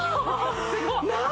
何？